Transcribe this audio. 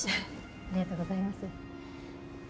ありがとうございます。